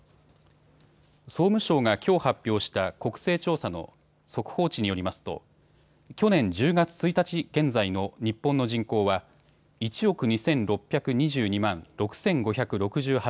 総務省がきょう発表した国勢調査の速報値によりますと去年１０月１日現在の日本の人口は１億２６２２万６５６８